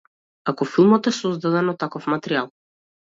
Ако филмот е создаден од таков материјал.